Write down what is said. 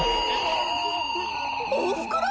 おふくろ！？